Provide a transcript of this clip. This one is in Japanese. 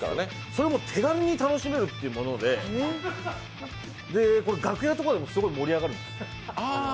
それが手軽に楽しめるというもので、これ楽屋とかだと、すごい盛り上がるんです。